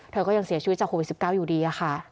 เธอก็ยังเสียชีวิตจากโควิด๑๙อยู่ดีค่ะ